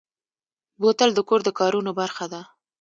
بوتل د کور د کارونو برخه ده.